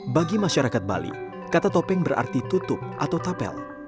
bagi masyarakat bali kata topeng berarti tutup atau tapel